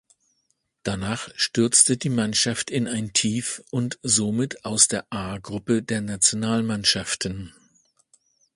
Danach stürzte die Mannschaft in ein Tief und somit aus der A-Gruppe der Nationalmannschaften.